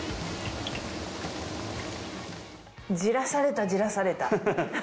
じらされたじらされた。